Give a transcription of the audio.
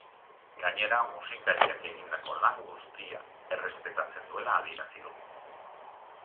Gainera, musikariak egindako lan guztia errespetatzen duela adierazi du.